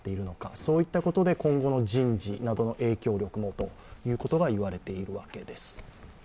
そういったことで今後の人事などの影響力もということが言われているわけです。